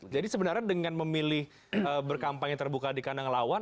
jadi sebenarnya dengan memilih berkampanye terbuka di kandang lawan